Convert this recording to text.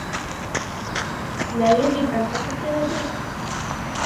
لا يجب أن تتصل به.